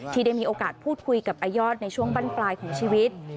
ที่ได้มีโอกาสพูดคุยกับอายอดในช่วงบั้นปลายของชีวิต